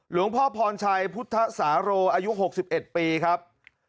หลวงพ่อพรชัยพุทธสาโรอายุ๖๑ปีครับ